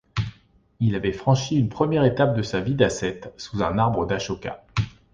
Il avait franchi une première étape de sa vie d'ascète sous un arbre d'Ashoka.